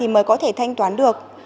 mới có thể thanh toán được